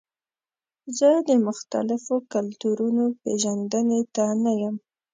زه د مختلفو کلتورونو پیژندنې ته نه یم.